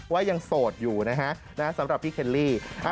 ว่ายังโสดอยู่นะฮะสำหรับพี่เคลลี่